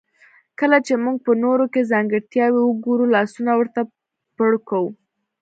کله چې موږ په نورو کې ځانګړتياوې وګورو لاسونه ورته پړکوو.